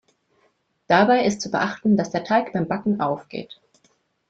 Dabei ist zu beachten, dass der Teig beim Backen aufgeht.